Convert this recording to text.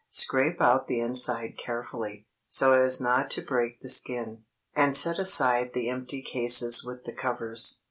Scrape out the inside carefully, so as not to break the skin, and set aside the empty cases with the covers.